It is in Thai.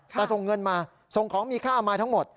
แต่ส่งเงินมาส่งของมีค่ามาทั้งหมด